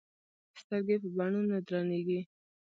سترګې په بڼو نه درنې ايږي